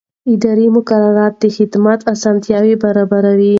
اداري مقررات د خدمت اسانتیا برابروي.